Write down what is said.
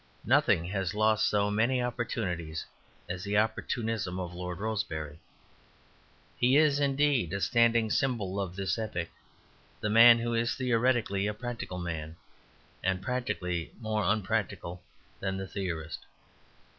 Nothing has lost so many opportunities as the opportunism of Lord Rosebery. He is, indeed, a standing symbol of this epoch the man who is theoretically a practical man, and practically more unpractical than any theorist.